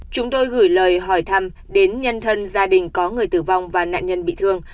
chúng tôi gửi lời hỏi thăm đến nhân thân gia đình có người tử vong và nạn nhân bị thương